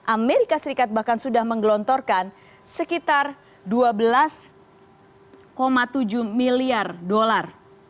amerika serikat bahkan sudah menggelontorkan sekitar dua belas tujuh miliar dolar